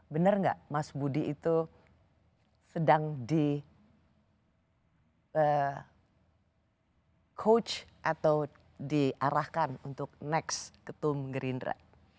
benar nggak mas budi itu sedang di coach atau diarahkan untuk next ketum gerindra